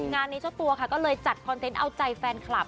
แล้วก็เลยจัดคอนเทนต์เอาใจแฟนคลับ